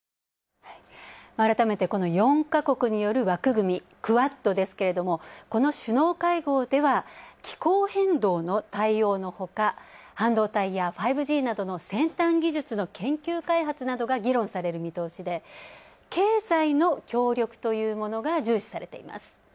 改めて、この４か国による枠組み、Ｑｕａｄですけれどもこの首脳会合では気候変動の対応のほか半導体や５Ｇなどの先端技術の研究開発が議論される見通しで経済の協力というものが重視されています。